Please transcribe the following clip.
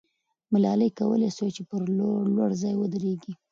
ملالۍ کولای سوای چې پر لوړ ځای ودریږي.